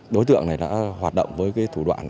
đối tượng này đã hoạt động với thủ đoạn